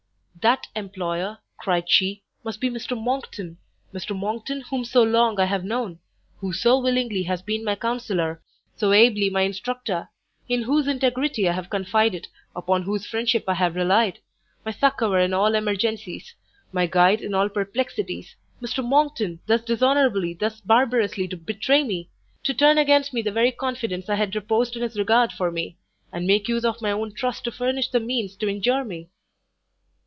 "That employer," cried she, "must be Mr Monckton! Mr Monckton whom so long I have known, who so willingly has been my counsellor, so ably my instructor! in whose integrity I have confided, upon whose friendship I have relied! my succour in all emergencies, my guide in all perplexities! Mr Monckton thus dishonourably, thus barbarously to betray me! to turn against me the very confidence I had reposed in his regard for me! and make use of my own trust to furnish the means to injure me!"